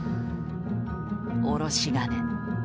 おろし金。